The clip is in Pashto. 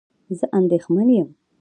زه اندېښمن یم